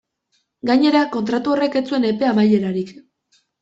Gainera, kontratu horrek ez zuen epe amaierarik.